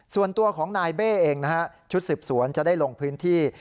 ส่วนตัวของนายเบ้เองนะฮะชุดสืบสวนจะได้ลงพื้นที่